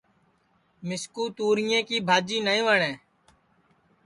مِسکُو توریں کی بھاجی نائی وٹؔیں